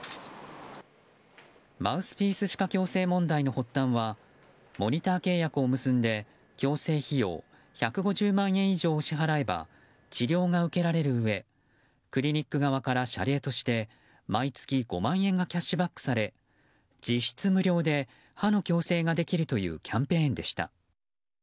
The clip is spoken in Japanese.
マウスピース歯科矯正問題の発端はモニター契約を結んで矯正費用１５０万円以上を支払えば治療が受けられるうえクリニック側から謝礼として毎月５万円がキャッシュバックされ実質無料で歯の矯正ができるというキャンペーンでした。